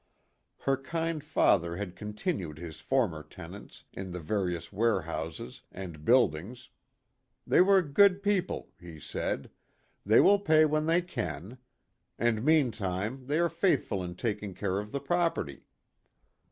Her kind father had continued his former tenants in the various warehouses and buildings 88 PLAY AND WORK. " they were good people," he said; "they will pay when they can ; and meantime they are faithful in taking care of the property."